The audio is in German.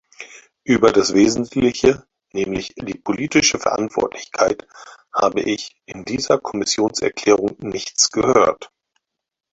Über das Wesentliche, nämlich die politische Verantwortlichkeit, habe ich in dieser Kommissionserklärung nichts gehört.